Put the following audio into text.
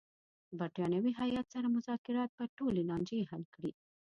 د برټانوي هیات سره مذاکرات به ټولې لانجې حل کړي.